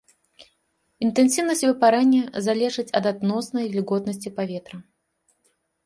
Інтэнсіўнасць выпарэння залежыць ад адноснай вільготнасці паветра.